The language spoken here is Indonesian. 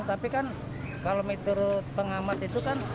tapi kan kalau menurut pengamat itu kan